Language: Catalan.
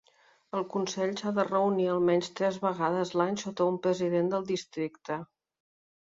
El consell s'ha de reunir almenys tres vegades l'any sota un president del Districte.